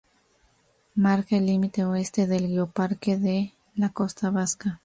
Marca el límite Oeste del Geoparque de la Costa Vasca.